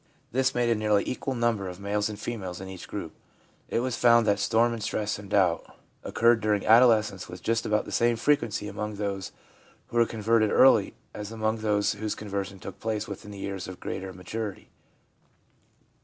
This made a nearly equal number of males and females in each group. It was found that storm and stress and doubt occurred during adolescence with just about the same frequency among those who were converted early as among those whose conversion took place within the years of greater maturity.